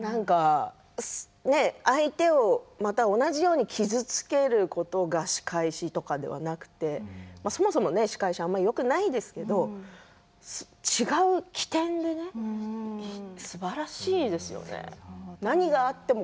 相手をまた同じように傷つけることが仕返しとかではなくてそもそも仕返しはあまりよくないですけれど違う機転ですばらしいですよね